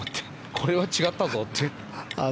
これは違ったぞって。